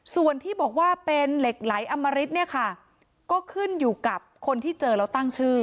ส่วนที่บอกว่าเป็นเหล็กไหลอมริตเนี่ยค่ะก็ขึ้นอยู่กับคนที่เจอแล้วตั้งชื่อ